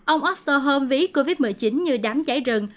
ông osterholm ví covid một mươi chín như đám chảy rừng